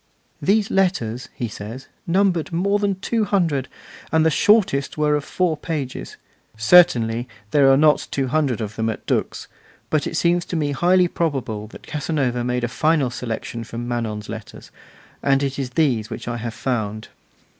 'These letters,' he says, 'numbered more than two hundred, and the shortest were of four pages: Certainly there are not two hundred of them at Dux, but it seems to me highly probable that Casanova made a final selection from Manon's letters, and that it is these which I have found.